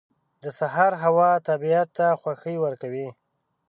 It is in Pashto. • د سهار هوا طبیعت ته خوښي ورکوي.